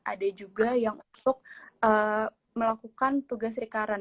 ada juga yang untuk melakukan tugas recurrent